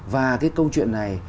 và cái câu chuyện này